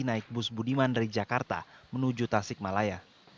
naik bus budiman dari jakarta menuju tasik malaya